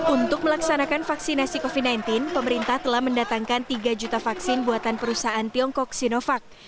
untuk melaksanakan vaksinasi covid sembilan belas pemerintah telah mendatangkan tiga juta vaksin buatan perusahaan tiongkok sinovac